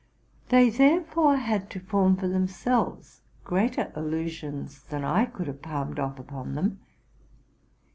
They therefore had to form for them selves greater illusions than I could have palmed off upon them.